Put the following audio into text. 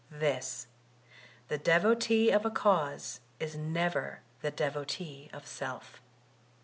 This: the devotee of a cause is never the devotee of self.